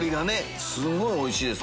すんごいおいしいです